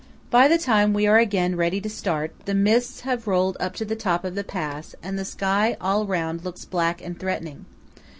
By the time we are again ready to start, the mists have rolled up to the top of the pass, and the sky all round looks black and threatening.